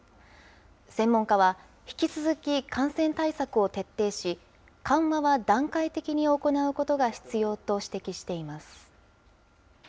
専門家は、引き続き感染対策を徹底し、緩和は段階的に行うことが必要と指摘しています。